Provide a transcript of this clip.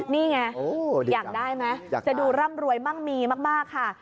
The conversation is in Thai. นี่ไงอยากได้ไหมจะดูร่ำรวยมั่งมีมากค่ะ